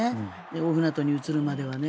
大船渡に移るまではね。